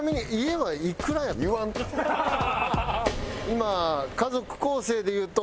今。